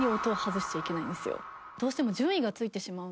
どうしても。